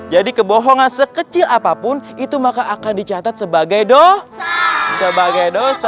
jadi kebohongan sekecil apapun itu maka akan dicatat sebagai dosa